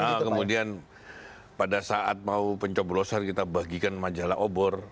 nah kemudian pada saat mau pencoblosan kita bagikan majalah obor